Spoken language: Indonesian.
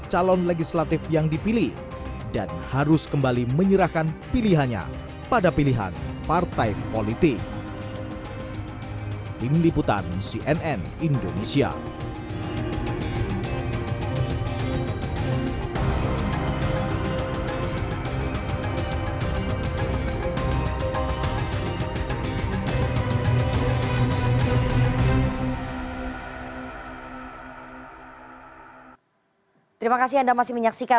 calon legislatif yang dipilih dan harus kembali menyerahkan pilihannya pada pilihan partai politik